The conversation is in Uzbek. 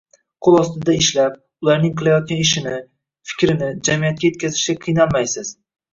qo‘l ostida ishlab, ularning qilayotgan ishini, fikrini jamiyatga yetkazishda qiynalmaysiz.